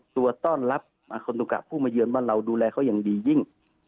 ตัวต้อนรับอาคอนตุกะผู้มาเยือนว่าเราดูแลเขาอย่างดียิ่ง